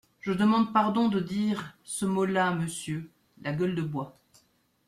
Je demande pardon de dire ce mot-là à monsieur… la gueule de bois.